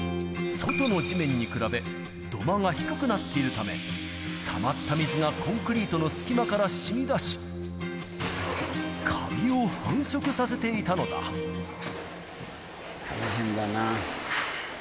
外の地面に比べ、土間が低くなっているため、たまった水がコンクリートの隙間からしみだし、かびを繁殖させて大変だなあ。